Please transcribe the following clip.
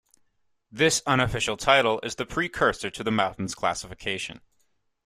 This unofficial title is the precursor to the mountains classification.